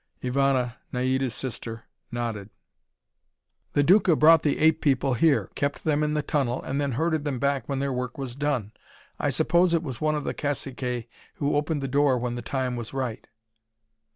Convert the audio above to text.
Ivana, Naida's sister, nodded. "The Duca brought the ape people here, kept them in the tunnel, and then herded them back when their work was done. I suppose it was one of the caciques who opened the door when the time was right."